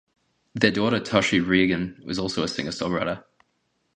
Their daughter Toshi Reagon is also a singer-songwriter.